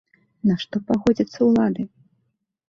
На што пагодзяцца ўлады?